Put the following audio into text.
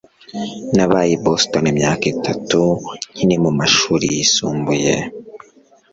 Nabaye i Boston imyaka itatu nkiri mu mashuri yisumbuye.